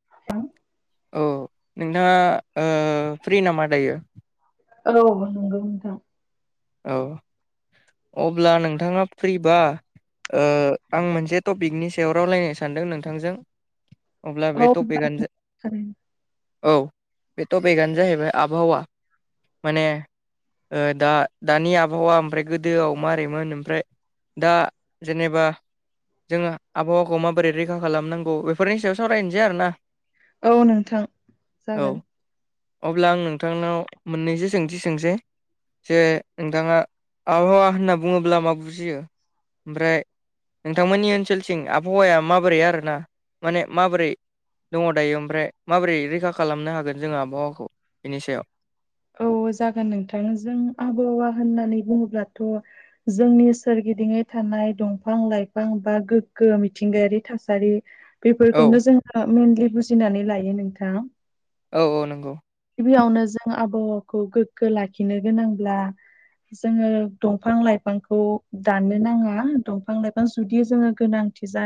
[unintelligible] औ नोंथाङा ओ फ्रि नामा दायो? औ नंगौ नोंथां। औ अब्ला नोंथाङा फ्रिबा ओ आं मोनसे टपिकनि सायाव रावलायनो सानदों नोंथांजों। अब्ला औ बे टपिकआनो थारैनो औ बे टपिकआनो जाहैबाय आबहावा। माने ओ दा दानि आबहावा ओमफ्राय गोदोआव मारैमोन ओमफ्राय दा जेनेबा जोङो आबहावाखौ माबोरै रैखा खालामनांगौ बेफोरनि सायाव सावरायनोसै आरो ना औ नोंथां जागोन अब्ला आं नोंथांनाव मोननैसो सोंथि सोंनोसै जे नोंथाङा आबहावा होनना बुङोब्ला मा बुजियो आमफ्राय नोंथांमोननि ओनसोलथिं आबहावाया माबोरै आरोना माने माबोरै दङ दायो ओमफ्राय माबोरै रैखा खालामनो हागोन जोङो आबहावाखौ बेनि सायाव औ जागोन नोंथां जों आबहावा होननानै बुङोब्लाथ' जोंनि सोरगिदिङै थानाय दंफां लाइफां बा गोग्गो मिथिंगायारि थासारि औ बेफोरखौनो जोङो मेनलि बुजिनानै लायो नोंथां औ औ नंगौ गिबियावनो जों आबहावाखौ गोग्गो लाखिनो गोनांब्ला जोङो दंफां लाइफांखौ दाननो नाङा दंफां लाइफां जुदि जोङो गोनां जा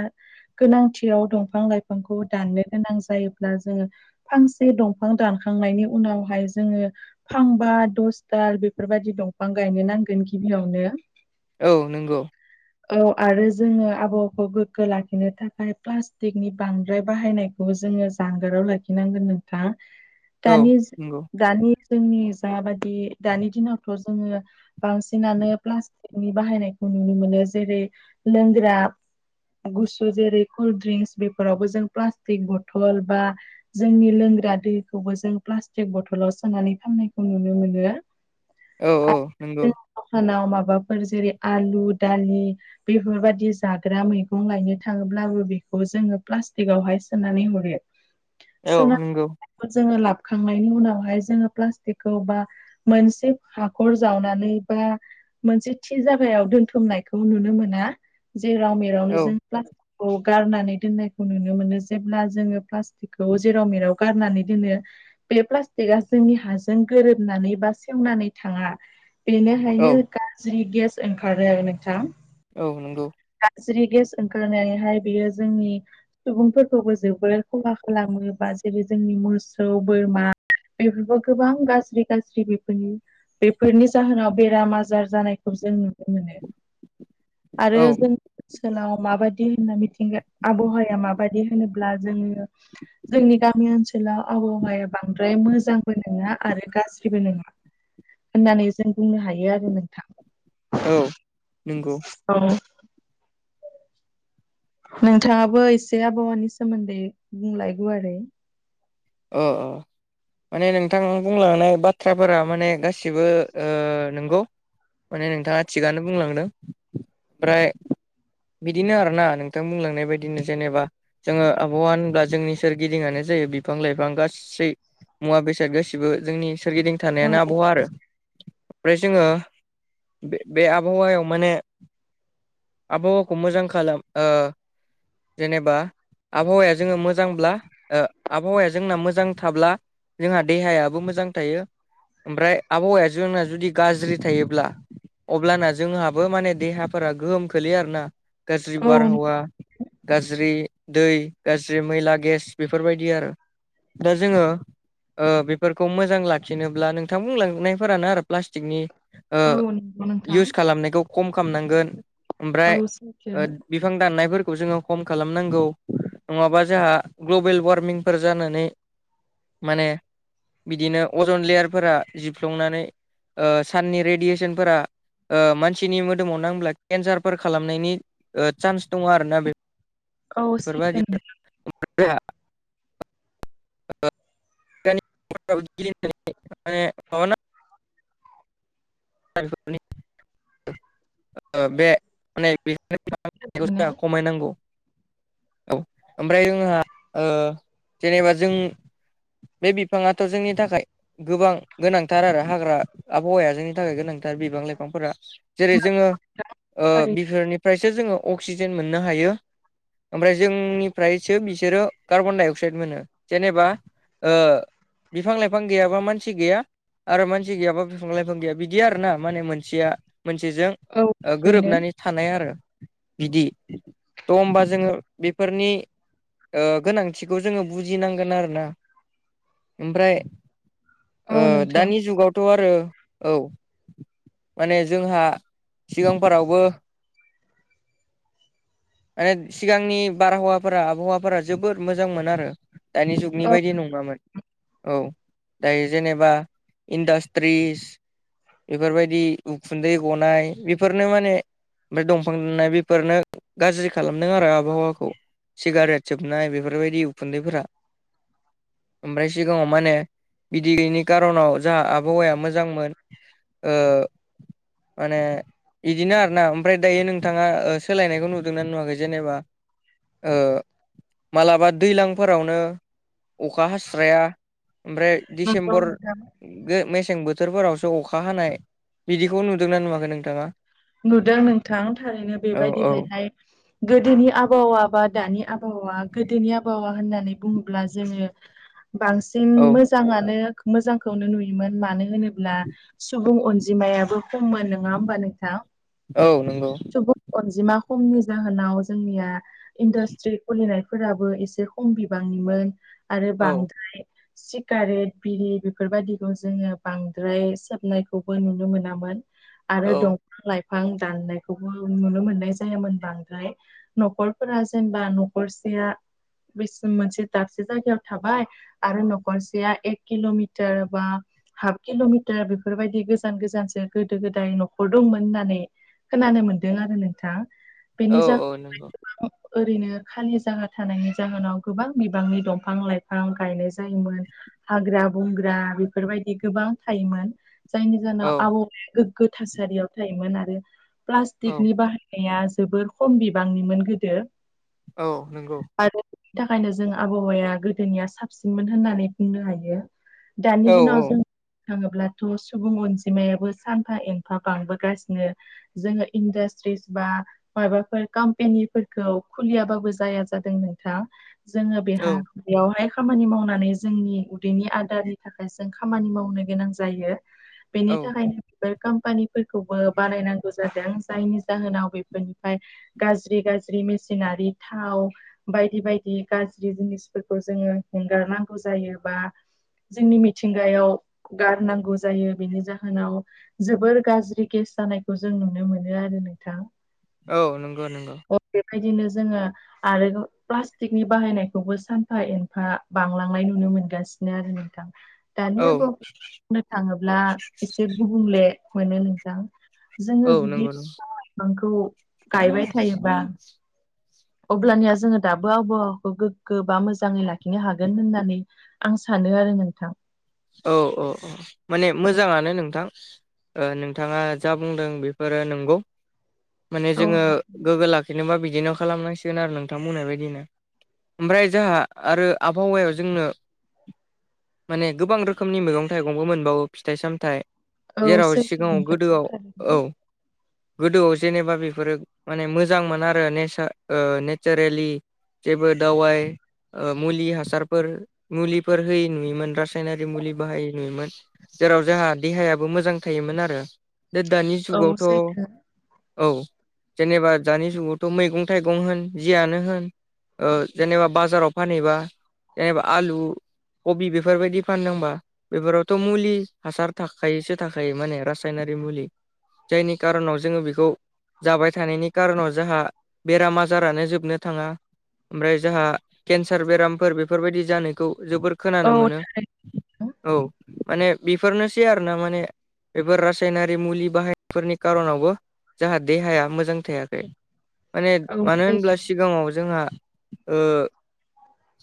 गोनांथियाव दंफां लाइफांखौ दाननो गोनां जायोब्ला जोङो फांसे दंफां दानखांनायनि उनावहाय जोङो फांबा दस दाल बेफोरबायदि दंफां गायनो नांगोन गिबियावनो औ नंगौ औ आरो जोङो आबहावाखौ गोग्गो लाखिनो थाखाय प्लास्टिकनि बांद्राय बाहायनाय खौ जोङो जानगाराव लाखिनांगोन नोंथां [inaudible] दानि नंगौ दानि जोंनि जाबादि दानि दिनावथ' जोङो बांसिनानो प्लास्टिकनि बाहायनायखौ नुनो मोनो जेरै लोंग्रा गुसु जेरै कल्द ड्रिंक्स बेफोरावबो जों प्लास्टिक बथल बा जोंनि लोंग्रा दैखौबो जों प्लास्टिक बथलाव सोनानै फाननायखौ नुनो मोनो औ औ नंगौ आरो दखानाव माबाफोर जेरै आलु दालि बेफोर बायदि जाग्रा मैगं लायनो थाङोब्लाबो बेखौ जोङो प्लास्टिकआवहाय सोनानै हरो [inaudible] [unintelligible] नंगौ जोङो [unintelligible] थांनायनि उनावहाय जोङो प्लास्टिकखौ बा मोनसे हाखर जावनानै बा मोनसे थि जायगायाव दोनथुमनायखौ नुनो मोना जेराव मेरावनो औ जों गारनानै दोननायखौ नुनो मोनो जेब्ला जोङो प्लास्टिकखौ जेराव मेराव गारनानै दोनो बे प्लास्टिकआ जोंनि हाजों गोरोबनानै बा सेवनानै थाङा औ बेनिखायनो गाज्रि गेस ओंखारो आरो नोंथां औ नंगौ गाज्रि गेस ओंखारनानैहाय बेयो जोंनि सुबुंफोरखौबो जोबोर खहा खालामो बा जेरै जोंनि मोसौ बोरमा बेफोरबो गोबां गाज्रि गाज्रि बेफोरनि बेफोरनि जाहोनाव बेराम आजार जानायखौ जों नुनो मोनो [inaudible] आरो जों ओनसोलाव माबायदि होनना मिथिंगा आबहावाया माबायदि होनोब्ला जोङो जोंनि गामि ओनसोलाव आबहावाया बांद्राय मोजांबो नङा आरो गाज्रिबो नङा होननानै जों बुंनो हायो आरो नोंथां औ नंगौ औ नोंथाङाबो एसे आबहावानि सोमोन्दै बुंलाय गुवारै अ अ माने नोंथां बुंलांनाय बाथ्राफोरा माने गासिबो ओ नंगौ माने नोंथाङा थिगानो बुंलांदों आमफ्राय बिदिनो आरो ना नोंथां बुंलांनाय बायदिनो जेनेबा जोङो आबहावा होनब्ला जोंनि सोरगिदिङानो जायो। बिब फां लाइफां गासै मुवा बेसाद गासैबो जोंनि सोरगिदिं औ थानायानो आबहावा आरो ओमफ्राय जोङो बे बे आबहावायाव माने आबहावाखौ मोजां खालाम ओ जेनेबा आबहावाया जोङो मोजांब्ला ओ आबहावाया जोंना मोजां थाब्ला जोंहा देहायाबो मोजां थायो। ओमफ्राय आबहावाया जोंना जुदि गाज्रि थायोब्ला अब्लाना जोंहाबो माने देहाफोरा गोहोम खोलैयो आरो ना। गाज्रि औ नों- बारहावा गाज्रि दै गाज्रि मैला गेस बेफोर बाय दि आरो दा जोङो ओ बेफोरखौ मोजां लाखिनोब्ला नोंथां बुंलांनायफोरानो आरो प्लास्टिकनि ओ औ नंगौ नोंथां इउस खालामनायखौ खम खामनांगोन औ ओमफ्राय सैथो ओद बिफां दाननायफोरखौ जोङो खम खालामनांगौ नङाबा जाहा ग्लबेल वार मिंफोर जानानै माने बिदिनो अजन लेयारफोरा जिफ्लंनानै ओ साननि रेडियेसनफोरा ओ मानसिनि मोदोमाव नांब्ला केन्सारफोर खालामनायनि ओ सान्स दङ' आरो ना बे औ सैथो बेफोरबायदि [unintelligible] [unintelligible] [unintelligible] नि ओ बे माने [unintelligible] नोंथांनिनो जोंहा खमायनांगौ। औ ओमफ्राय जोंहा ओ जेनेबा जों बे बिफाङाथ' जोंनि थाखाय गोबां गोनांथार आरो हाग्रा आबहावाया जोंनि थाखाय गोनांथार बिबां लाइफांफोरा। जेरै जोङो ओ थारै- बिफोरनि फ्रायसो जोङो अक्सिजेन मोननो हायो। ओमफ्राय जोंनिफ्रायसो बिसोरो कार्बन डाइ अक्साइद मोनो। जेनेबा ओ बिफां लाइफां गैयाबा मानसि गैया आरो मानसि गैयाबा बिफां लाइफां गैया। बिदि आरो ना माने मोनसेया मोनसेजों औ ओ ओरैनो गोरोबनानै थानाय आरो बिदि त' होमबा जोङो बेफोरनि ओ गोनांथिखौ जोङो बुजिनांगोन आरो ना ओमफ्राय ओ औ नोंथां दानि जुगावथ' आरो औ माने जोंहा सिगांफोरावबो माने सिगांनि बारहावाफोरा आबहावाफोरा जोबोद मोजां मोनो आरो दानि जुगनि औ बायदि नङामोन। औ दायो जेनेबा इन्डास्ट्रिस बेफोरबायदि उखुन्दै गनाय बेफोरनो माने ओमफ्राय दंफां [unintelligible] बेफोरनो गाज्रि खालामदों आरो आबहावाखौ। सिगारेट जोबनाय बेफोरबायदि उखुन्दैफोरा। ओमफ्राय सिगाङाव माने बिदि गैयिनि कार'नाव जाहा आबहावाया मोजांमोन। ओ माने बिदिनो आरो ना ओमफ्राय दायो नोंथाङा ओ सोलायनायखौ नुदों ना नुवाखै जेनेबा। ओ माब्लाबा दैलांफोरावनो अखा हास्राया ओमफ्राय नंगौ दिसेम्बर नोंथां गो मेसें बोथोरफोरावस [unintelligible] अखा हानाय बिदिखौ नुदों ना नुवाखै नोंथाङा? नुदों नोंथां थारैनो औ औ बेबायदिहायहाय गोदोनि आबहावा बा दानि आबहावा गोदोनि आबहावा होननानै बुङोब्ला जोङो बांसिन औ मोजाङानो मोजांखौनो नुयोमोन मानो होनोब्ला सुबुं अन जिमायाबो खममोन नोङा होमबा नोंथां। औ नंगौ। सुबुं अनजिमा खमनि जाहोनाव जोंनिया इन्डास्ट्रि खुलिनाय फोराबो एसे खम बिबांनिमोन आरो औ बांद्राय सिगारेट बिरि बेफोर बायदिखौ जोङो बांद्राय सोबनाय खौबो नुनो मोनामोन आरो औ दं बिफां लाइफां दाननायखौबो नुनो मोननाय जायामोन बांद्राय न'खरफोरा जेनेबा न'खरसेया बे मोनसे दाबसे जायगायाव थाबा आरो न'खरसेया एक किल'मिटार बा हाफ किल'मिटार बेफोर बायदि गोजान गोजानसो गोदो गोदाय न'खर दंमोन होननानै खोनानो मोनदों आरो नोंथां औ बेनि औ नंगौ जाउन ओरैनो खालि जायगा थानायनि जाहोनाव गोबां बिबांनि दंफां लाइफां गायनाय जायोमोन हाग्रा बंग्रा बेफोर बायदि गोबां थायोमोन जायनि औ जाहोनाव आबहावाया गोग्गो थासारियाव थायोमोन आरो औ प्लास्टिकनि बाहाय निया जोबोर खम बिबांनिमोन गोदो औ नंगौ आरो बिनि थाखायनो जों आबहावाया गोदोनिया साबसिनमोन होननानै बुंनो हायो औ दानि दिनाव जों बुं थाङोब्लाथ' सुबुं अनजिमायाबो सानफा एनफा बांबो गासिनो जोङो इन्डास्ट्रिस बा मायबाफोर कम्पनिफोरखौ खुलियाबाबो जाया जादों नोंथां जोङो औ बेहा बेयावहाय खामानि मावनानै जोंनि उदैनि आदारनि थाख थाखाय जों खामानि मावनो गोनां जायो बेनि औ थाखायनो बेफोर कम्पानिफोर खौबो बानाय नांगौ जादों जायनि जाहोनाव बेफोरनिफ्राय गाज्रि गाज्रि मेसिनारि थाव बायदि बायदि गाज्रि जिनिसफोरखौ जोङो एंगारनांगौ जायोबा जोंनि मिथिंगायाव गारनांगौ जायो बेनि जाहोनाव जोबोर गाज्रि ज्रि गेस जानायखौ जों नुनो मोनो आरो नोंथां औ नंगौ नों अ बेबायदिनो जोङो आरो प्लास्टिकनि बाहायनायखौबो सानफा एनफा बांलांनाय नुनो मोनगासिनो नो आरो नोंथां औ दानिया बुंनो थाङोब्ला एसे गुबुंले मोनो नोंथां जोङो औ नंगौ जुदि नंगौ बिफां लाइफांखौ गायबाय थायोबा अब्लानिया जोङो दाबो आबहावाखौ गोग्गो बा मोजाङै लाखिनो हागोन होननानै आं सानो आरो नोंथां औ औ अ माने औ मोजाङानो नोंथां ओ नोंथाङा जा बुंदों बेफोरो नों माने औ जोङो गोगो लाखिनोबा बिदिनो खालामनांसि सिगोन आरो नोंथां बुंनाय बादिनो ओमफ्राय जोंहा आरो आबहावायाव जोंनो माने गोबां रोखोमनि मैगं थाइगंबो मोनबावो फिथाइ सामथाय औ जेराव सैथो सिगाङाव नोंथां गोदोआव औ थारैनो। गोदोआव जेनेबा बेफोर माने मोजांमोन आरो नेसा ओ नेचारेलि जेबो दावाइ ओ मुलि हासारफोर मुलिफोर होयि नुयोमोन हास रायनारि मुलि बाहायि नुयोमोन जेराव जोंहा देहायाबो मोजां थायोमोन आरो दोद दानि औ जुगावथ' सैथो औ जेनेबा दानि जुगावथ' मैगं थाइगं होन जियानो होन ओ जेनेबा बाजाराव फानहैबा जेनेबा आलु कबि बेफोर बायदि फानदोंबा बेफोरावथ' मुलि हासार थाखायोसो थाखायो माने रासायनारि मुलि जायनि खारनाव जोङो बेखौ जाबाय थानायनि कारनाव जाहा बेराम आजारानो जोबनो थाङा ओमफ्राय जाहा केन्सार बेरामफोर बेफोरबायदि जानायखौ जोबोर औ खोनानो मोनो थारैनो औ माने बेफोरनोसै आरो ना माने बेफोर रासायनारि मुलि बाहायफोरनि कार'नावबो जाहादे हाया मोजां थायाखै माने औ मानो सैथो होनब्ला सिगाङाव जोंहा ओ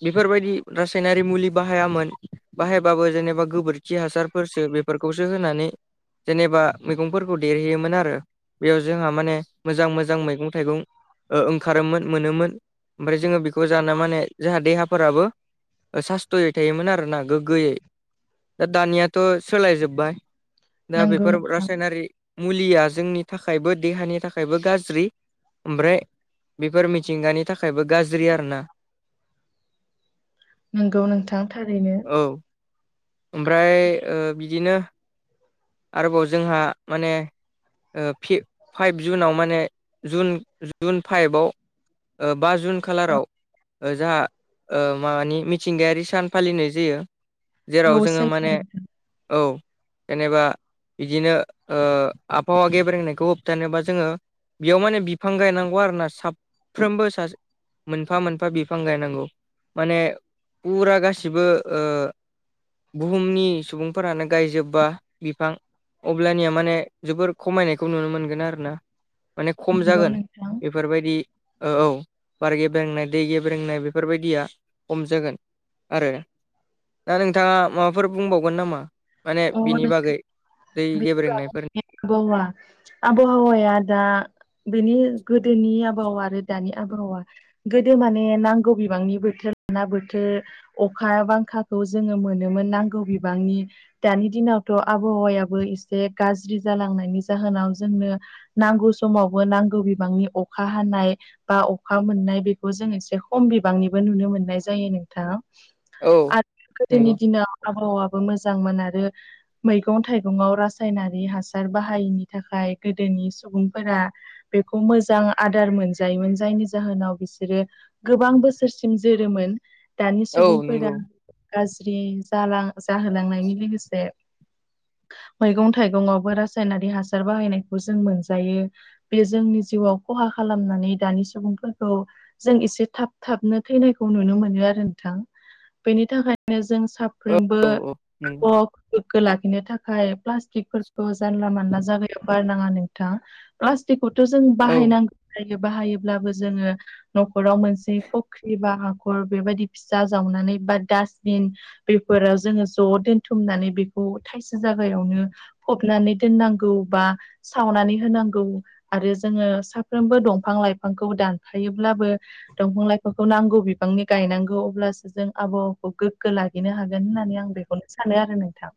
बेफोरबायदि रासायनारि मुलि बाहायामोन। बाहायबाबो जेनेबा गोबोरखि हासारफोरसो बेफोरखौसो होनानै जेनेबा मैगंफोरखौ देरहैयोमोन आरो। बेयाव जोंहा माने मोजां मोजां मैगं थाइगं ओ ओंखारोमोन मोनोमोन। ओमफ्राय जोङो बेखौ जानो माने जोंहा देहाफोराबो ओ सास्थ'यै थायोमोन आरोना गो गोैयै दा दानियाथ' सोलायजोब्बाय दा नंगौ बेफोर नोंथां रासायनारि मुलिया जोंनि थाखायबो देहानि थाखायबो गाज्रि ओमफ्राय बेफोर मिथिंगानि थाखायबो गाज्रि आरोना। नोंगौ नोंथां थारैनो। औ ओमफ्राय ओ बिदिनो आरोबाव जोंहा माने ओ पि फाइभ जुनाव माने जुन जुन फाइभआव ओ बा जुन औ खालाराव ओ जाहा ओ माबानि मिथिंगायारि सान फालिनाय जायो। जेराव औ जोङो सैथो माने नोंथां औ जेनेबा बिदिनो ओ आबहावा गेब्रेंनायखौ होबथानोबा जोङो बेयाव माने बिफां गायनांगौ आरोना साफ्रोमबो सासे मोनफा मोनफा बिफां गायनांगौ माने फुरा गासिबो ओ बुहुमनि सुबुंफोरानो गायजोबबा बिफां अब्लानिया माने जोबोर खमायनायखौ नुनो मोनगोन आरो ना माने खम नंगौ जागोन नोंथां बे बेफोरबायदि औ औ बार गेब्रेंनाय दै गेब्रेंनाय बेफोरबायदिया खम जागोन आरो आरो थाङा माबाफोर बुंबावगोन नामा? माने अ बिनि बागै दै गेब्रेंनायफोर बौवा आबहावाया दा बेनि गोदोनि आबहावा आरो दानि आबहावा गोदो माने नांगौ बिबांनि बोथोर ना ना बोथोर अखा बांखाखौ जोङो मोनोमोन नांगौ बिबांनि दानि दिनावथ' आबहावायाबो एसे गाज्रि जालांनायनि जाहोनाव जोंनो नांगौ समावबो नांगौ बिबांनि अखा हानाय बा अखा मोननाय बेखौ जों एसे खम बिबांनिबो नुनो मोननाय जायो नोंथां। औ आर गोदोनि नंगौ दिनाव आबहावाबो मोजांमोन आरो मैगं थाइगंयाव रासायनारि हासार बाहायैनि थाखाय गोदोनि सुबुंफोरा बेखौ मोजां आदार मोनजायोमोन जायनि जाहोनाव बिसोरो गोबां बोसोरसिम जोरोमोन। दानि औ सुबुंफोरा नंगौ गाज्रि जालां जाहोलांनायनि लोगोसे मैगं थाइगङावबो रासायनारि हासार बाहायनायखौ जों मोनजायो। बे जोंनि जिउआव खहा खालामनानै दानि सुबुंफोरखौ जों एसे थाब थाबनो थैनायखौ नुनो मोनो आरो नोंथां। बेनि थाखायनो जों साब औ साफ्रोमबो औ औ नंगौ [unintelligible] गोग्गो लाखिनो थाखाय प्लास्टिकफोरखौ जानला मानला जागायाव गारनाङा नोंथां। प्लास्टिकखौथ' औ जों [unintelligible] जायो बाहायोब्लाबो जोङो न'खराव मोनसे फख्रि बा हा खर बेबायदि फिसा जावनानै बा दासबिन बेफोराव जोङो ज' दोनथुमनानै बेखौ थाइसे जागायावनो फबनानै दोननांगौ बा सावनानै होनांगौ। आरो जोङो साफ्रोमबो दंफां लाइफांखौ दानफायोब्लाबो दंफां लाइफांखौ नांगौ बिफांनि गायनांगौ अब्लासो जों आबहावाखौ गोग गो लागिनो हागोन होननानै आं बेखौनो सानो आरो नोंथां।